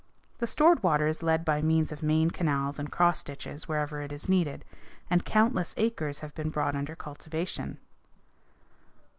The stored water is led by means of main canals and cross ditches wherever it is needed, and countless acres have been brought under cultivation.